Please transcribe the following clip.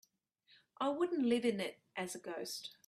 I wouldn't live in it as a ghost.